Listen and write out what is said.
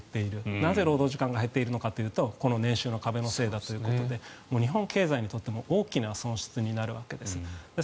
なぜ労働時間が減っているのかというとこの年収の壁のせいだということで日本経済にとっても大きな損失になるわけです。